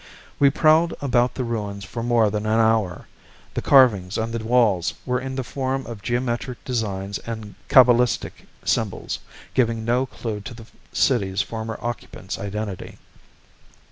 We prowled about the ruins for more than an hour. The carvings on the walls were in the form of geometric designs and cabalistic symbols, giving no clue to the city's former occupants' identity.